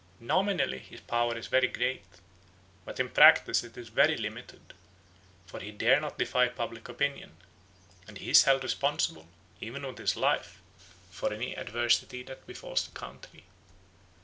Nominally his power is very great, but in practice it is very limited; for he dare not defy public opinion, and he is held responsible, even with his life, for any adversity that befalls the country.